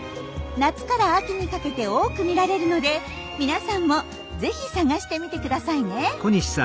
夏から秋にかけて多く見られるので皆さんもぜひ探してみてくださいね。